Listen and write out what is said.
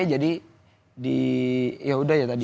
jadi di yaudah ya tadi